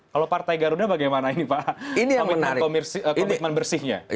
kalau partai garuda bagaimana ini pak komitmen bersihnya